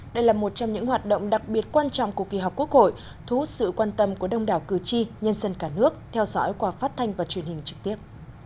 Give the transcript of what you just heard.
đây là một trong những hoạt động đặc biệt quan trọng của kỳ họp quốc hội thu hút sự quan tâm của đông đảo cử tri nhân dân cả nước theo dõi qua phát thanh và truyền hình trực tiếp